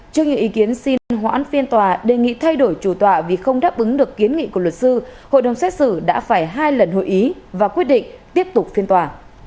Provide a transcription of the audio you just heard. trước những ý kiến xin hoãn phiên tòa đề nghị thay đổi chủ tòa vì không đáp ứng được kiến nghị của luật sư hội đồng xét xử đã phải hai lần hội ý và quyết định tiếp tục phiên tòa